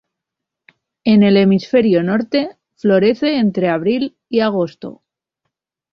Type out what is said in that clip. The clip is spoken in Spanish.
En el hemisferio norte florece entre abril y agosto.